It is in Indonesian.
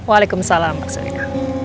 waalaikumsalam pak surya